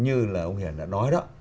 như là ông hiền đã nói đó